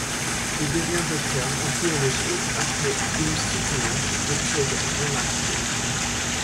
Il devient docteur en théologie après une soutenance de thèse remarquée.